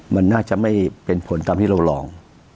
มันน่าจะไม่เป็นผลตามที่เราลอง